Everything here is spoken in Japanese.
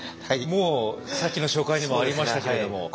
もうさっきの紹介にもありましたけれども。